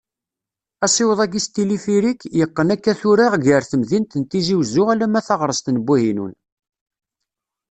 Asiweḍ-agi s tilifirik, yeqqen akka tura gar temdint n Tizi Uzzu alamma taɣrest n Buhinun.